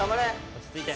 落ち着いて。